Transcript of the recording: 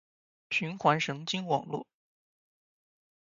循环神经网络